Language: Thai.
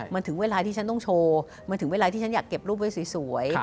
มันถึงเวลาที่ฉันต้องโชว์มันถึงเวลาที่ฉันอยากเก็บรูปไว้สวย